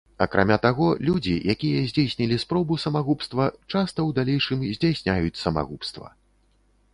Акрамя таго, людзі, якія здзейснілі спробу самагубства, часта ў далейшым здзяйсняюць самагубства.